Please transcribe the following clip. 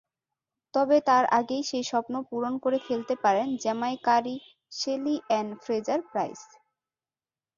তবে তাঁর আগেই সেই স্বপ্ন পূরণ করে ফেলতে পারেন জ্যামাইকারই শেলি-অ্যান ফ্রেজার-প্রাইস।